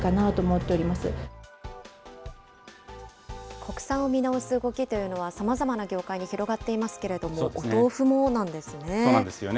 国産を見直す動きというのは、さまざまな業界に広がっていますけれども、お豆腐もなんですね。